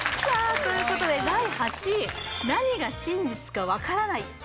さあということで第８位何が真実か分からない